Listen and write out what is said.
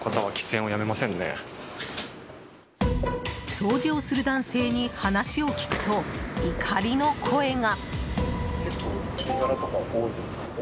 掃除をする男性に話を聞くと怒りの声が。